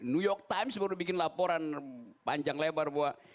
new york times baru bikin laporan panjang lebar bahwa